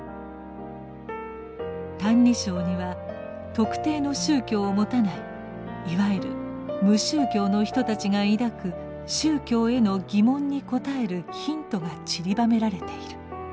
「歎異抄」には特定の宗教をもたないいわゆる「無宗教」の人たちが抱く宗教への疑問に応えるヒントがちりばめられている。